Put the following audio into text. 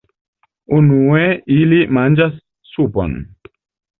Unue ili manĝas supon.